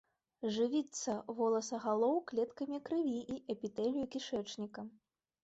Жывіцца воласагалоў клеткамі крыві і эпітэлію кішэчніка.